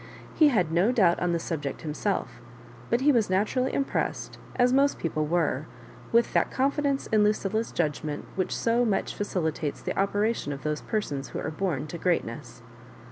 He had no doubt on the subject himself; but he was naturally impressed, as most people were, with that confidence in Lucilla's judgment which so much facilitates the operations of those persons who are bom to greatness.